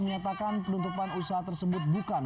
menyatakan penutupan usaha tersebut bukan